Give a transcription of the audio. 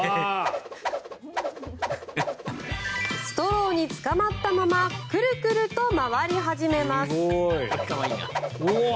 ストローにつかまったままくるくると回り始めます。